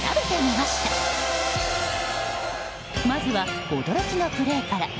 まずは驚きのプレーから。